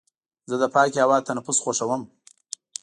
زه د پاکې هوا تنفس خوښوم.